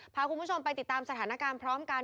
พาคุณผู้ชมไปติดตามสถานการณ์พร้อมกัน